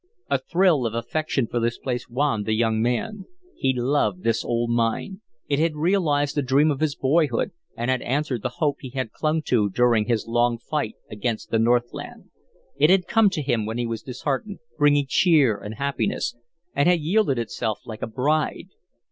A thrill of affection for this place wanned the young man. He loved this old mine. It had realized the dream of his boyhood, and had answered the hope he had clung to during his long fight against the Northland. It had come to him when he was disheartened, bringing cheer and happiness, and had yielded itself like a bride.